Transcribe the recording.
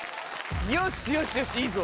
よしよしよしいいぞ。